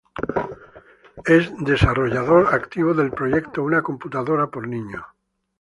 Es desarrollador activo del proyecto Una Computadora por Niño.